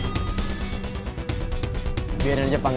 kyknya pasti lu tanpa hapsin